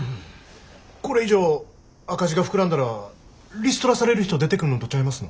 これ以上赤字が膨らんだらリストラされる人出てくんのとちゃいますの？